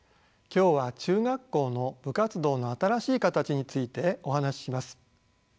今日は中学校の部活動の新しい形についてお話しします。